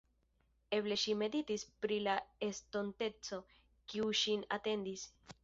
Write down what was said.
Eble ŝi meditis pri la estonteco, kiu ŝin atendis.